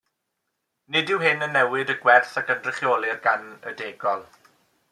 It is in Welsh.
Nid yw hyn yn newid y gwerth a gynrychiolir gan y degol.